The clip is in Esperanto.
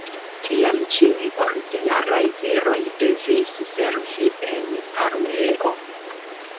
Tiam ĉiuj ordinaraj viroj devis servi en armeo.